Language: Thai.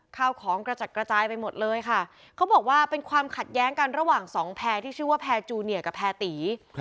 ข้าวของกระจัดกระจายไปหมดเลยค่ะเขาบอกว่าเป็นความขัดแย้งกันระหว่างสองแพร่ที่ชื่อว่าแพรจูเนียกับแพรตี